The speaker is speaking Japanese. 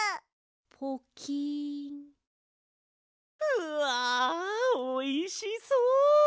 うわおいしそう！